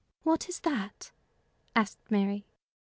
"What is that?" asked Mary.